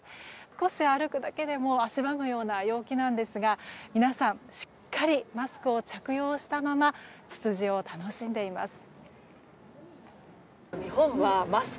少し歩くだけでも汗ばむような陽気なんですが皆さん、しっかりマスクを着用したままツツジを楽しんでいます。